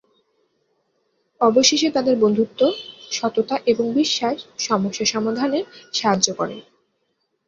অবশেষে তাদের বন্ধুত্ব, সততা এবং বিশ্বাস সমস্যা সমাধানে সাহায্য করে।